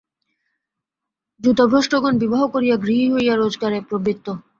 যুথভ্রষ্টগণ বিবাহ করিয়া গৃহী হইয়া রোজগারে প্রবৃত্ত।